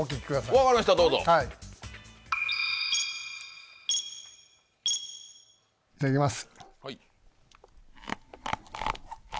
いただきます。